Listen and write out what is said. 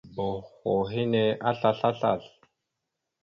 Boho henne aslasl aslasl.